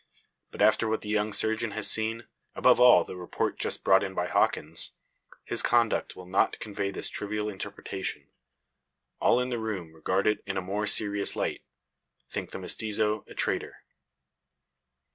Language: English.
But after what the young surgeon has seen above all the report just brought in by Hawkins his conduct will not convey this trivial interpretation. All in the room regard it in a more serious light think the mestizo is a traitor.